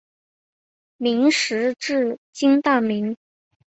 明时治今大名。